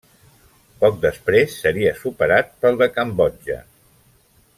Poc després seria superat pel de Cambodja.